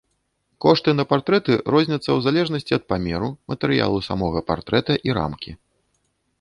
Кошты на партрэты розняцца ў залежнасці ад памеру, матэрыялу самога партрэта і рамкі.